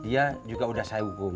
dia juga udah saya hukum